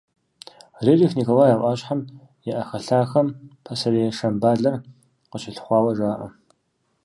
Рерих Николай а Ӏуащхьэм и Ӏэхэлъахэм пасэрей Шамбалэр къыщилъыхъуауэ жаӀэ.